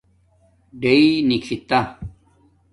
ڈیئ نکھِتا